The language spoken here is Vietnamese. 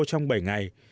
trong bảy ngày